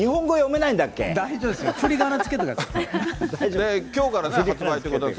大丈夫です、ふりがなつけてきょうから発売ということです。